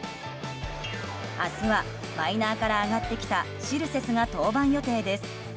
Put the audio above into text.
明日はマイナーから上がってきたシルセスが登板予定です。